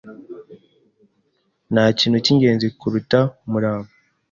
Ntakintu cyingenzi kuruta umurava.